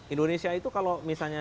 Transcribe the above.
indonesia itu kalau misalnya